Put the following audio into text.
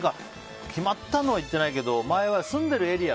決まったのは行ってないけど前は住んでるエリア